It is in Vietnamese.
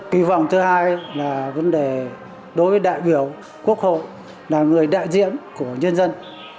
kỳ vọng thứ hai là vấn đề đối với đại biểu quốc hội là người đại diện của nhân dân